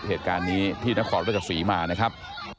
เหตุการณ์นี้ที่นครราชสีมานะครับ